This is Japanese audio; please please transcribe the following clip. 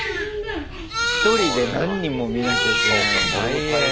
１人で何人も見なきゃいけないの大変。